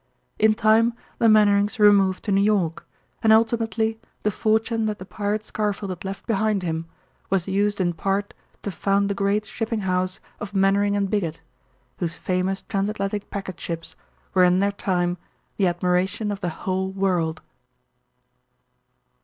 In time the Mainwarings removed to New York, and ultimately the fortune that the pirate Scarfield had left behind him was used in part to found the great shipping house of Mainwaring & Bigot, whose famous transatlantic packet ships were in their time the admiration of the whole world.